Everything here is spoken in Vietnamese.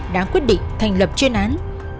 đã quyết định thành lập chuyên án